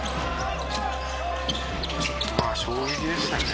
「まあ衝撃でしたね